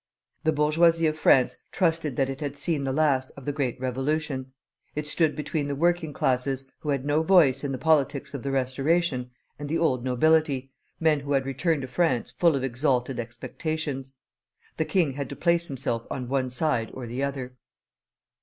The bourgeoisie of France trusted that it had seen the last of the Great Revolution. It stood between the working classes, who had no voice in the politics of the Restoration, and the old nobility, men who had returned to France full of exalted expectations. The king had to place himself on one side or the other.